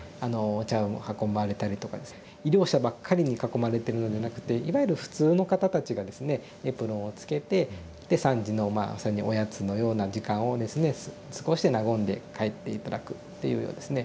医療者ばっかりに囲まれてるのでなくていわゆる普通の方たちがですねエプロンをつけてで３時のまあおやつのような時間をですね和んで帰って頂くっていうようなですね。